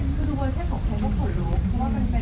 คุณคิดว่าถ้าคนนั้นออกไปได้ยังไง